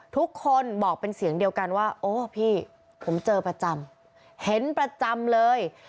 ทุกคนบอกเป็นเสียงเดียวกันว่าโอ้พี่ผมเจอประจำเห็นประจำเลย